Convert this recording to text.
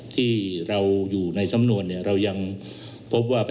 ที่เราอยู่ในสำนวนเรายังพบว่าพยานรักฐานอื่น